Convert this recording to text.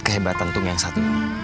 kehebatan tung yang satu